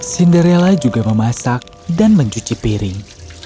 cinderella juga memasak dan mencuci piring